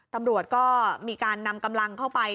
ตำรวจก็มีการนำกำลังเข้าไป